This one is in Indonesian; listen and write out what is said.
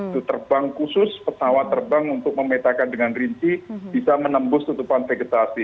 itu terbang khusus pesawat terbang untuk memetakan dengan rinci bisa menembus tutupan vegetasi